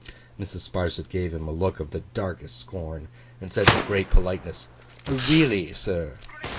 Mrs. Sparsit gave him a look of the darkest scorn, and said with great politeness, 'Really, sir?